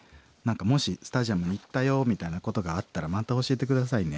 もしスタジアムに行ったよみたいなことがあったらまた教えて下さいね。